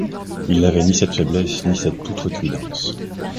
Il n’avait ni cette faiblesse ni cette outrecuidance.